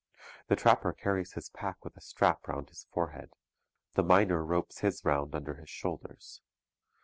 The trapper carries his pack with a strap round his forehead. The miner ropes his round under his shoulders.